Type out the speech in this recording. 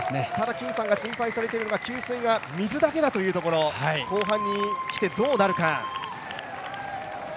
金さんが心配されているのが給水が水だけということ後半に来てどうなるか。